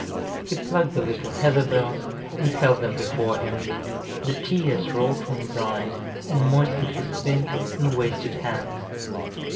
He plucked the little heather bells, and held them before him; the tears rolled from his eyes, and moistened his thin and wasted hands.